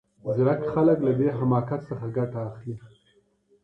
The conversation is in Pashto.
ځیرک خلګ له دې حماقت څخه ګټه اخلي.